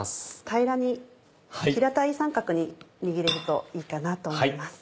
平らに平たい三角に握れるといいかなと思います。